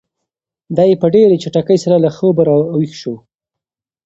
دی په ډېرې چټکۍ سره له خپل خوبه را ویښ شو.